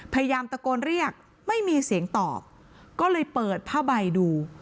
พยายามตะโกนเรียกไม่มีเสียงตอบก็เลยเปิดผ้าใบดู